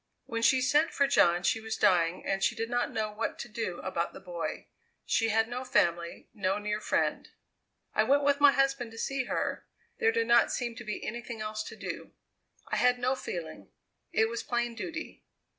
"When she sent for John she was dying and she did not know what to do about the boy. She had no family no near friend. "I went with my husband to see her. There did not seem to be anything else to do. I had no feeling; it was plain duty.